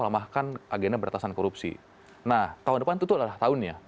nah tahun depan itu adalah tahunnya